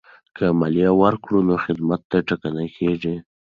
که مالیه ورکړو نو خدمات نه ټکنی کیږي.